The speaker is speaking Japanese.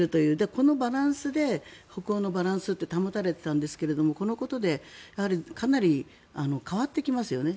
このバランスで北欧のバランスって保たれていたんですがこのことでかなり変わってきますよね。